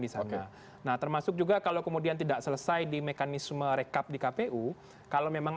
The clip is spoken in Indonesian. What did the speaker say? di sana nah termasuk juga kalau kemudian tidak selesai di mekanisme rekap di kpu kalau memang